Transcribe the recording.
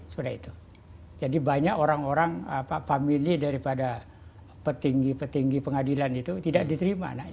sudah itu jadi banyak orang orang family daripada petinggi petinggi pengadilan itu tidak diterima